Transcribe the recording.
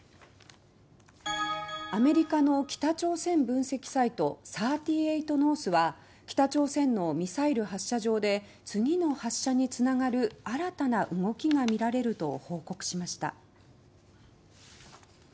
アメリカの北朝鮮分析サイト「３８ノース」は北朝鮮のミサイル発射場で次の発射に繋がる新たな動きが見られると報告しました。